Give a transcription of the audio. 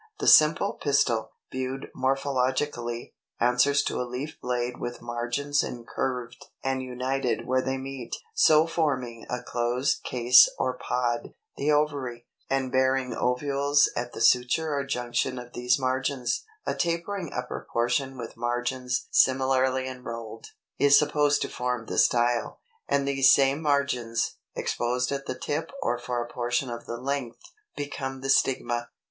306. =The Simple Pistil=, viewed morphologically, answers to a leaf blade with margins incurved and united where they meet, so forming a closed case or pod (the ovary), and bearing ovules at the suture or junction of these margins: a tapering upper portion with margins similarly inrolled, is supposed to form the style; and these same margins, exposed at the tip or for a portion of the length, become the stigma.